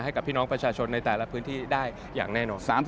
ให้กับพี่น้องประชาชนในแต่ละพื้นที่ได้อย่างแน่นอนซ้ำ